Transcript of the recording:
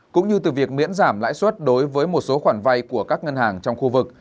cũng như từ việc miễn giảm lãi suất đối với một số khoản vay của các ngân hàng trong khu vực